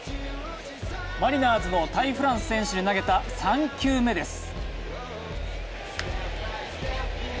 マリナーズのタイ・フランス選手に投げた３球目です。